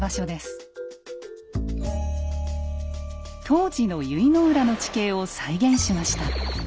当時の由比浦の地形を再現しました。